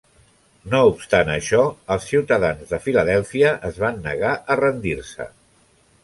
No obstant això, els ciutadans de Filadèlfia es van negar a rendir-se.